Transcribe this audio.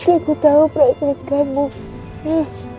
aku tahu perasaan kamu ya